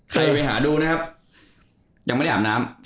ใครไปหาดูนะครับยังไม่ได้อาบน้ำ